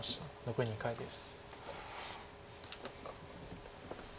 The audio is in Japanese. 残り２回です。